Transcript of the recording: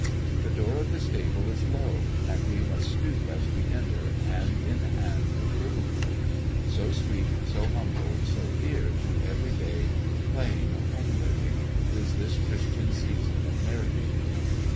The door of the stable is low; and we must stoop as we enter hand in hand with little folk, so sweet, so humble, so dear to everyday, plain home living is this Christian season of merrymaking.